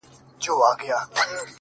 • ګړی وروسته یې کرار سوله دردوونه ,